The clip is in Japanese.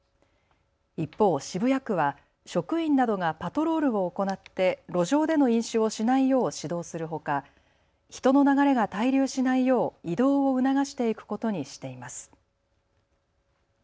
一方、渋谷区は職員などがパトロールを行って路上での飲酒をしないよう指導するほか人の流れが滞留しないよう移動を促していくことにしています。